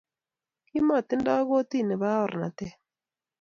kimatindo kortini baorenattet